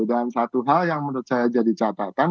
dan satu hal yang menurut saya jadi catatan